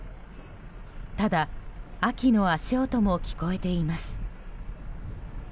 ただ、秋の足音も聞こえています。